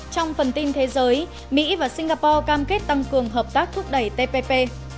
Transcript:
trong phần tin thế giới mỹ và singapore cam kết tăng cường hợp tác thúc đẩy tpp